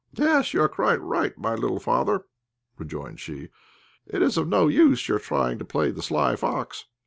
"Yes, you are quite right, my little father," rejoined she; "it is of no use your trying to play the sly fox.